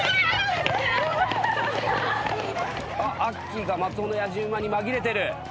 あっアッキーが松尾のやじ馬に紛れてる。